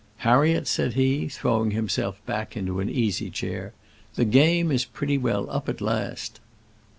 "Harriet," said he, throwing himself back into an easy chair, "the game is pretty well up at last."